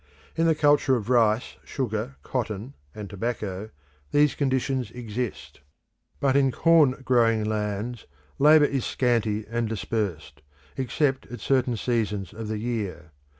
In the culture of rice, sugar, cotton, and tobacco, these conditions exist; but in corn growing lands labour is scanty and dispersed, except at certain seasons of the year.